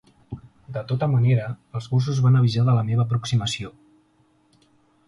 De tota manera, els gossos van avisar de la meva aproximació.